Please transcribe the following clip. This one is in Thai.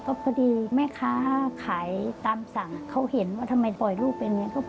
ก็พอดีแม่ค้าขายตามสั่งเขาเห็นว่าทำไมปล่อยลูกเป็นอย่างนี้